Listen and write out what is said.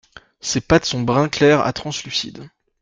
Ses pattes sont brun clair à translucides.